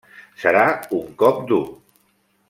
Serà un cop dur.